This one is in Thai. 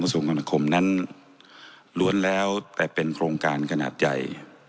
กระทรวงธรรมนาคมนั้นล้วนแล้วแต่เป็นโครงการขนาดใหญ่